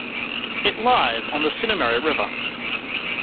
It lies on the Sinnamary River.